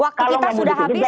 waktu kita sudah habis